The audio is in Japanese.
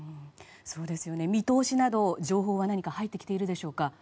見通しなど情報は何か入ってきているでしょうか。